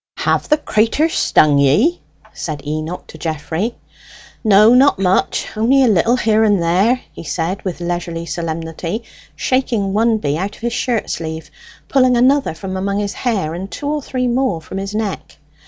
"Have the craters stung ye?" said Enoch to Geoffrey. "No, not much on'y a little here and there," he said with leisurely solemnity, shaking one bee out of his shirt sleeve, pulling another from among his hair, and two or three more from his neck.